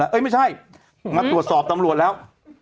ไม่ใช่มาตรวจสอบตำรวจแล้ว